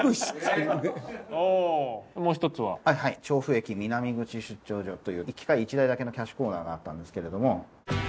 「調布駅南口出張所」という１機械１台だけのキャッシュコーナーがあったんですけれども。